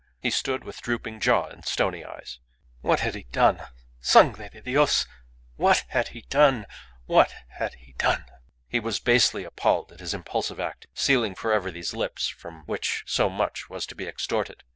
He stood with drooping jaw and stony eyes. What had he done, Sangre de Dios! What had he done? He was basely appalled at his impulsive act, sealing for ever these lips from which so much was to be extorted.